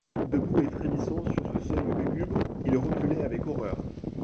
Debout et frémissant sur ce seuil lugubre, il reculait avec horreur.